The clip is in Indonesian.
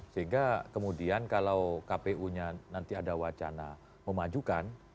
sehingga kemudian kalau kpu nya nanti ada wacana memajukan